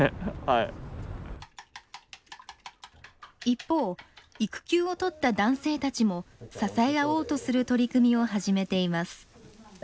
一方育休を取った男性たちも支え合おうとする取り組みを始めています。